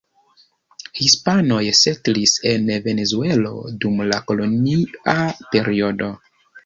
Hispanoj setlis en Venezuelo dum la kolonia periodo.